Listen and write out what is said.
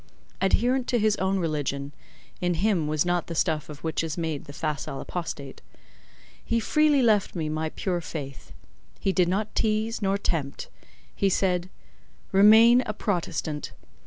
Adherent to his own religion (in him was not the stuff of which is made the facile apostate), he freely left me my pure faith. He did not tease nor tempt. He said:— "Remain a Protestant.